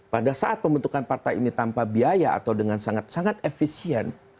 pada saat pembentukan partai ini tanpa biaya atau dengan sangat sangat efisien